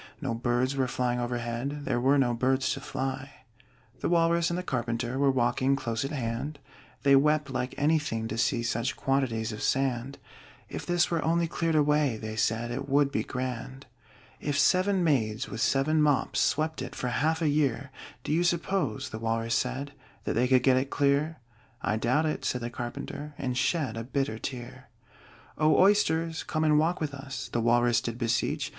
No birds were flying overhead There were no birds to fly. The Walrus and the Carpenter Were walking close at hand; They wept like anything to see Such quantities of sand: "If this were only cleared away," They said, "it would be grand!" "If seven maids with seven mops Swept it for half a year, Do you suppose," the Walrus said, "That they could get it clear?" "I doubt it," said the Carpenter, And shed a bitter tear. "O Oysters, come and walk with us!" The Walrus did beseech.